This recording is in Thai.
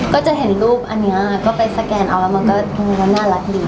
ก็จะเห็นรูปอันนี้ก็ไปสแกนเอาแล้วมันก็น่ารักดี